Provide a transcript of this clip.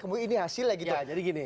kemudian ini hasilnya gitu